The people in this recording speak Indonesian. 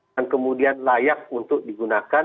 dan kemudian layak untuk digunakan